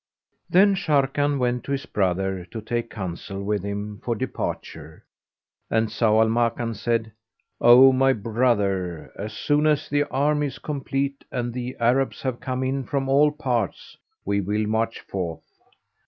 Then Sharrkan went to his brother to take counsel with him for departure; and Zau al Makan said, "O my brother, as soon as the army is complete and the Arabs have come in from all parts, we will march forth."